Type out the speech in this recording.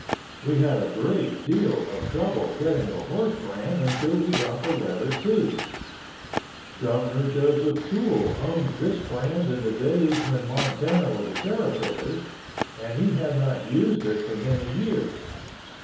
We had a great deal of trouble getting a horse brand until we got the letter "T." Governor Joseph Toole owned this brand in the days when Montana was a territory, and he had not used it for many years.